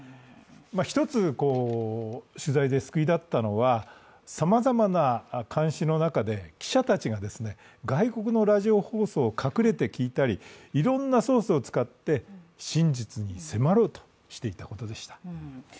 １つ取材で救いだったのは、さまざまな監視の中で記者たちが外国のラジオ放送を隠れて聞いたり、いろんなソースを使って真実に迫ろうとしていたことでした。